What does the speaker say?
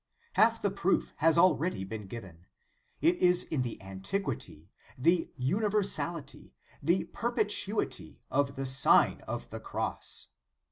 Half the proof has already been given. It is in the antiquity, the universality, the per petuity of the Sign of the Cross.